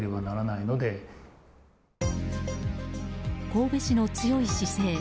神戸市の強い姿勢。